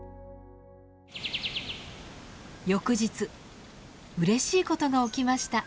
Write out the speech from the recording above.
翌日うれしい事が起きました。